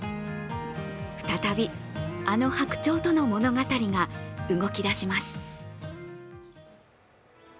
再び、あの白鳥との物語が動き出します。